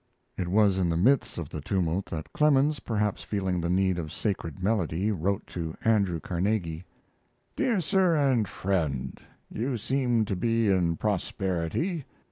It was in the midst of the tumult that Clemens, perhaps feeling the need of sacred melody, wrote to Andrew Carnegie: DEAR SIR & FRIEND, You seem to be in prosperity.